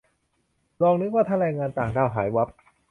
ลองนึกว่าถ้าแรงงานต่างด้าวหายวับ